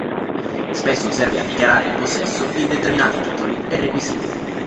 Spesso serve a dichiarare il possesso di determinati titoli e requisiti.